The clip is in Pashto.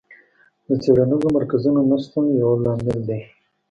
د څېړنیزو مرکزونو نشتون یو لامل دی.